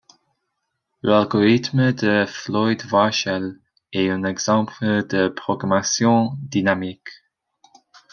L'algorithme de Floyd-Warshall est un exemple de programmation dynamique.